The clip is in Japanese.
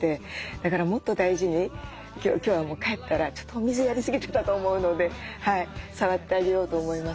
だからもっと大事に今日は帰ったらちょっとお水やりすぎてたと思うので触ってあげようと思います。